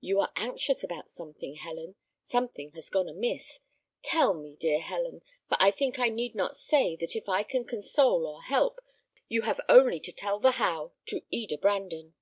You are anxious about something, Helen. Something has gone amiss. Tell me, dear Helen; for I think I need not say that if I can console or help, you have only to tell the how, to Eda Brandon."